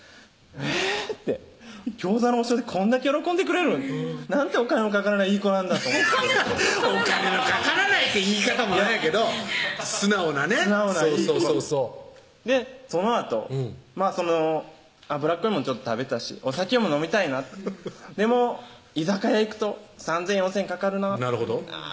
えぇって餃子の王将でこんだけ喜んでくれるん？なんてお金のかからないいい子なんだと思って「お金のかからない」って言い方もなんやけど素直なね素直ないい子そのあと油っこいもん食べたしお酒も飲みたいなでも居酒屋行くと３０００４０００円かかるなあぁ